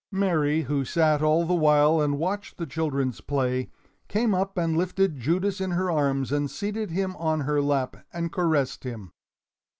Mary, who sat all the while and watched the children's play, came up and lifted Judas in her arms and seated him on her lap, and caressed him.